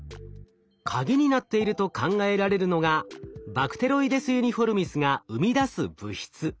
カギになっていると考えられるのがバクテロイデス・ユニフォルミスが生み出す物質。